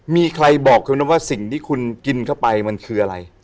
มีใครบอกคุณไหมว่าสิ่งที่คุณกินเข้าไปมันคืออะไร